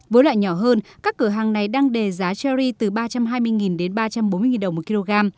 với loại nhỏ hơn các cửa hàng này đang đề giá cherry từ ba trăm hai mươi đến ba trăm bốn mươi đồng một kg